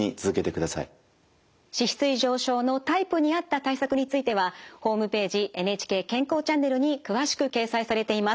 脂質異常症のタイプに合った対策についてはホームページ「ＮＨＫ健康チャンネル」に詳しく掲載されています。